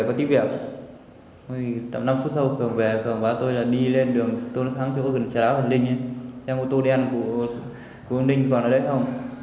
cường về cường bảo tôi là đi lên đường thắng chứ không cần xe lá hồn ninh xe ô tô đen của hồn ninh còn ở đấy không